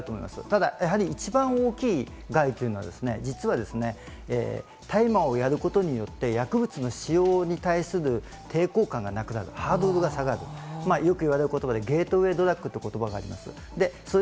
ただ一番大きい害というのは実は大麻をやることによって薬物の使用に対する抵抗感がなくなる、ハードルが下がる、よく言われる言葉で、ゲートウェイドラッグという言葉があります。